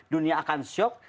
dunia akan shock